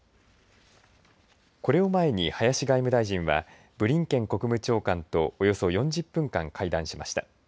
これを前に林外務大臣はブリンケン国務長官とおよそ４０分間、会談しました。